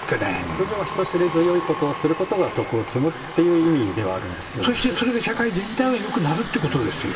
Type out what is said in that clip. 通常は、人知れずよいことをすることが徳を積むっていう意味ではあるんでそしてそれが社会全体がよくなるということですよ。